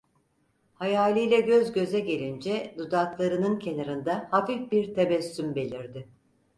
Hayaliyle göz göze gelince dudaklarının kenarında hafif bir tebessüm belirdi.